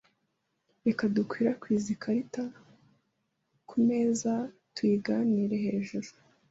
Reka dukwirakwize ikarita kumeza tuyiganire hejuru.